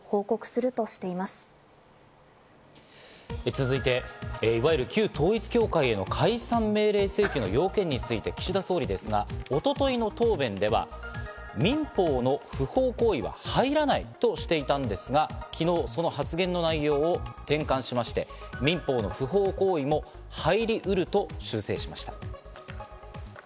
続いて、いわゆる旧統一教会への解散命令請求の要件について岸田総理ですが、一昨日の答弁では、民放の不法行為は入らないとしていたんですが、昨日、その発言の内容を転換しまして、民放の不法行為も入りうると修正しました。